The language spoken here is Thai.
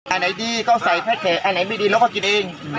อันไหนดีก็ใส่แพ็คเกะอันไหนไม่ดีเราก็กินเอง